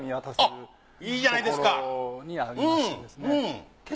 いいじゃないですか。